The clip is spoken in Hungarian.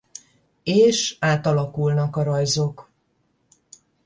És átalakulnak a rajzok.